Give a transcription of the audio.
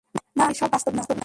না, এসব বাস্তব না।